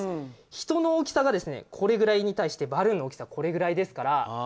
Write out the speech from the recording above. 人の大きさがこれぐらいに対してバルーンの大きさがこれぐらいですから。